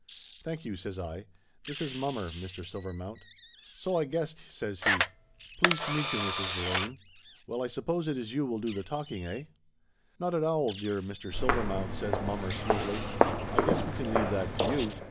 "Thank you," says I. "This is mommer, Mr. Sil vermount." "So I guessed!" says he. "Pleased to meet you, Mrs. Delane. Well, I suppose it is you will do the talking, eh?" "Not at all, dear Mr. Silvermount," says mommer smoothly. "I guess we can leave that to you.